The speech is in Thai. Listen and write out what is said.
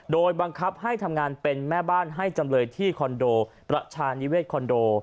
โดยบังคับให้ทำงานเป็นแม่บ้านให้จำเลยที่คอนโดประชานิเศษคอนโด